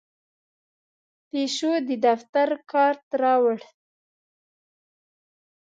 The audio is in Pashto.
پیشو د دفتر کارت راوړ.